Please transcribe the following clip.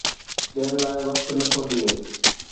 ٻين لاءِ وقت نه ٿو ڏئي